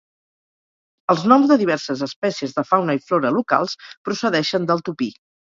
Els noms de diverses espècies de fauna i flora locals procedeixen del tupí.